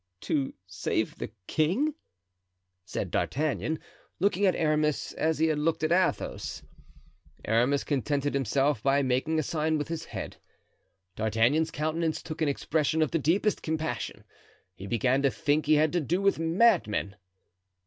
"To save the king?" said D'Artagnan, looking at Aramis as he had looked at Athos. Aramis contented himself by making a sign with his head. D'Artagnan's countenance took an expression of the deepest compassion; he began to think he had to do with madmen.